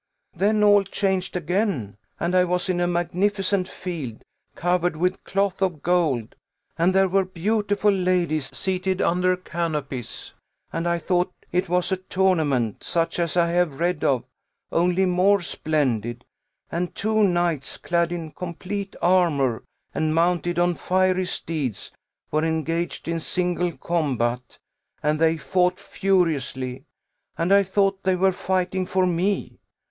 Then all changed again, and I was in a magnificent field, covered with cloth of gold, and there were beautiful ladies seated under canopies; and I thought it was a tournament, such as I have read of, only more splendid; and two knights, clad in complete armour, and mounted on fiery steeds, were engaged in single combat; and they fought furiously, and I thought they were fighting for me.